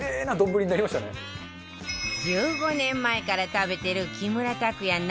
１５年前から食べてる木村拓哉